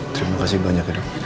terima kasih banyak reyna